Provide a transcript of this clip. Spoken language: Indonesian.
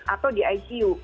atau di icu